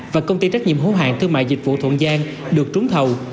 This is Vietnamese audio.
và công ty trách nhiệm hữu hạng thương mại dịch vụ thuận giang được trúng thầu